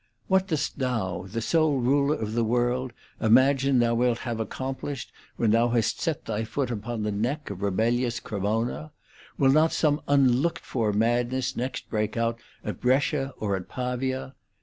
What dost thou, the sole ruler of the world, imagine thou wilt have accomplished when thou hast set thy foot upon the neck of rebellious Cremona? Will not some unlooked for madness next break out at Brescia or at Pavia